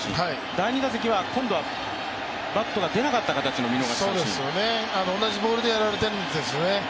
第２打席は今度はバットが出なかった形の見逃し三振、同じボールでやられているんですよね。